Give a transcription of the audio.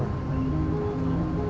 saya selalu waspada kak